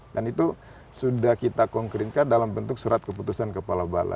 dan itu sudah kita konkrinkan dalam bentuk surat keputusan kita